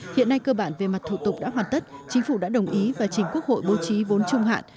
hiện nay cơ bản về mặt thủ tục đã hoàn tất chính phủ đã đồng ý và chính quốc hội bố trí vốn trung hạn